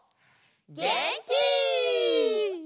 げんき！